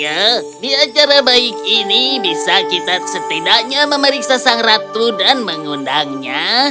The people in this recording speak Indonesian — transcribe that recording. ya di acara baik ini bisa kita setidaknya memeriksa sang ratu dan mengundangnya